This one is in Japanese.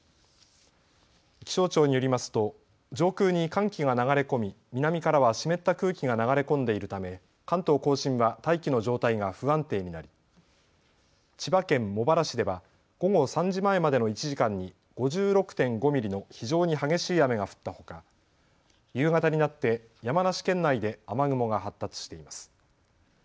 気象庁によりますと上空に寒気が流れ込み南からは湿った空気が流れ込んでいるため関東甲信は大気の状態が不安定になり千葉県茂原市では午後３時前までの１時間に５６．５ミリの非常に激しい雨が降ったほか、夕方になって山梨県内で雨雲が発達しています。